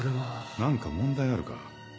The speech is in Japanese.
何か問題あるか？